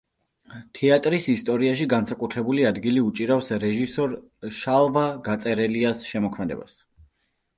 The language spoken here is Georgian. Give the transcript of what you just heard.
თეატრის ისტორიაში განსაკუთრებული ადგილი უჭირავს რეჟისორ შალვა გაწერელიას შემოქმედებას.